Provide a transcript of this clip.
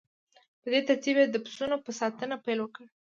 په دې ترتیب یې د پسونو په ساتنه پیل وکړ